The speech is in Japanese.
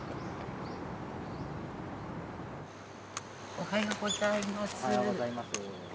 おはようございます。